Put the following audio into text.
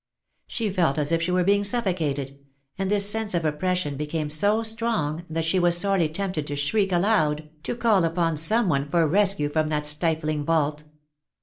She felt as if she were being suffocated, and this sense of oppression became so strong that she was sorely tempted to shriek aloud, to call upon some one for rescue from that stifling vault.